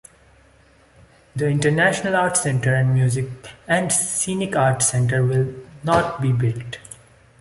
The International Art Center and Music and Scenic Arts Center will not be built.